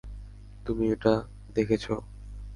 তুমি এটা দেখেছ?